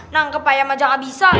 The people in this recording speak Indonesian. nangkep ayam aja gak bisa